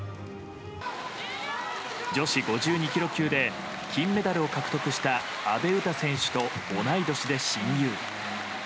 女子５２ｋｇ級で金メダルを獲得した阿部詩選手と同じ年で親友。